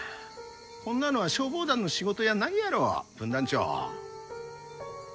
こんなのは消防団の仕事やないやろ分団長。